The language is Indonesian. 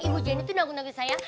ibu jenny itu nakutin saya